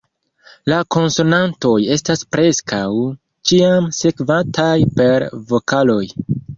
La konsonantoj estas preskaŭ ĉiam sekvataj per vokaloj.